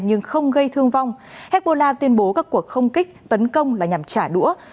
nhưng không gây thương vong hezbollah tuyên bố các cuộc không kích tấn công là nhằm trả đũa